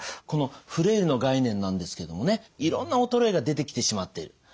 このフレイルの概念なんですけどもねいろんな衰えが出てきてしまっている。